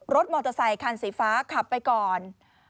มอเตอร์ไซคันสีฟ้าขับไปก่อน